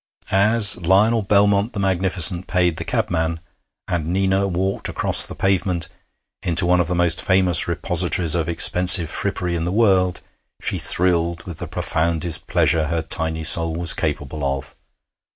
As Lionel Belmont the Magnificent paid the cabman, and Nina walked across the pavement into one of the most famous repositories of expensive frippery in the world, she thrilled with the profoundest pleasure her tiny soul was capable of.